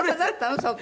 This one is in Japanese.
そこ。